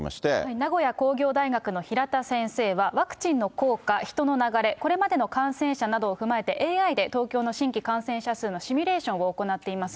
名古屋工業大学の平田先生は、ワクチンの効果、人の流れ、これまでの感染者などを踏まえてＡＩで東京の新規感染者数のシミュレーションを行っています。